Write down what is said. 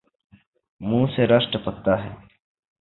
منہ سے رس ٹپکتا ہے